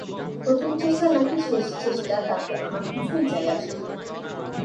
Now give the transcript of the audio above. প্রথম চেষ্টা নাকি শেষ চেষ্টা তাতে আমার কিছুই যায় আসে না।